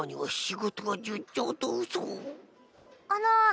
あの。